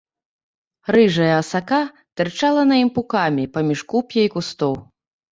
Рыжая асака тырчала на ім пукамі паміж куп'я і кустоў.